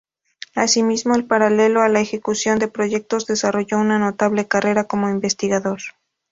Asimismo, en paralelo a la ejecución de proyectos, desarrolló una notable carrera como investigador.